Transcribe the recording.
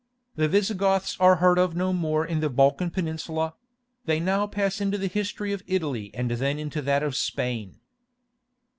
The Visigoths are heard of no more in the Balkan Peninsula; they now pass into the history of Italy and then into that of Spain.